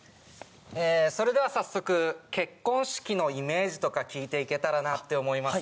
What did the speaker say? それでは早速結婚式のイメージとか聞いていけたらなって思います